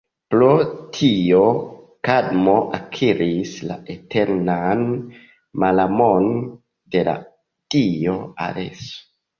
Pro tio, Kadmo akiris la eternan malamon de la dio Areso.